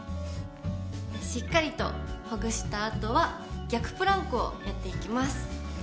しっかりとほぐした後は逆プランクをやっていきます。